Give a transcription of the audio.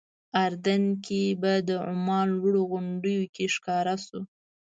اردن کې به د عمان لوړو غونډیو کې ښکاره شو.